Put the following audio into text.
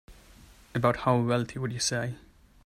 About how wealthy would you say?